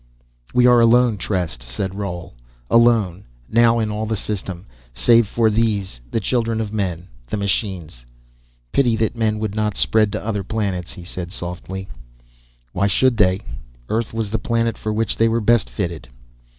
"We are alone, Trest," said Roal, "alone, now, in all the system, save for these, the children of men, the machines. Pity that men would not spread to other planets," he said softly. "Why should they? Earth was the planet for which they were best fitted."